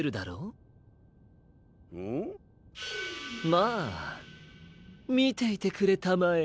まあみていてくれたまえ！